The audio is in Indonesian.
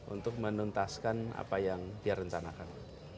untuk menuntaskan apa yang dia rencanakan